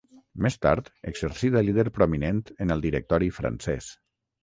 Més tard exercí de líder prominent en el Directori Francès.